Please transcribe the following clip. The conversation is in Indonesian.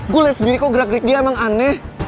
gue liat sendiri kok gerak gerik dia emang aneh